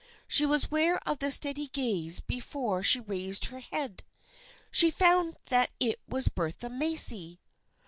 She was aware of the steady gaze before she raised her head. She found that it was Bertha Macy.